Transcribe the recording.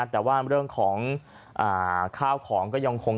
แต่ว่าเรื่องของข้าวของก็ยังคง